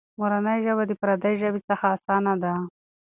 مورنۍ ژبه د پردۍ ژبې څخه اسانه ده.